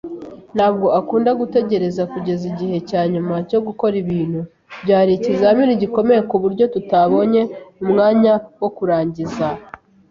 Ntabwo akunda gutegereza kugeza igihe cyanyuma cyo gukora ikintu. Byari ikizamini gikomeye kuburyo tutabonye umwanya wo kurangiza.